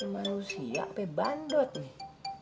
ini manusia apa bandot nih